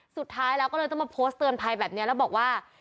สุดท้ายแล้วก็เลยต้องมาโพสต์เตือนภัยแบบนี้แล้วบอกว่า